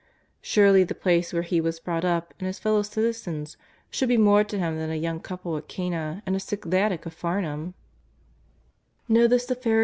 Surely the place where He was brought up and His fellow citizens should be more to Him than a young couple at Cana and a sick lad at Capharnaum